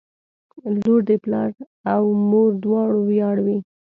• لور د پلار او مور دواړو ویاړ وي.